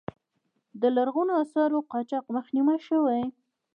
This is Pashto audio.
د لرغونو آثارو قاچاق مخنیوی شوی؟